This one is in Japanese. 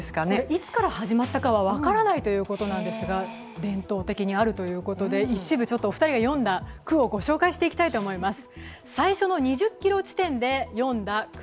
いつから始まったかは分からないということなんですが、伝統的にあるということで、一部お二人が詠んだ句をご紹介していきたいと思います。